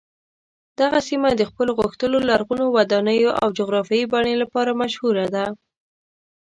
دغه سیمه د خپلو غښتلو لرغونو ودانیو او جغرافیايي بڼې لپاره مشهوره ده.